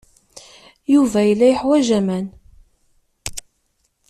Yuba yella yeḥwaj aman.